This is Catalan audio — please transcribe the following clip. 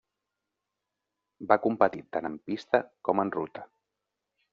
Va competir tant en pista com en ruta.